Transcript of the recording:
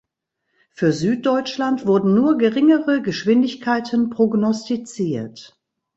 Für Süddeutschland wurden nur geringere Geschwindigkeiten prognostiziert.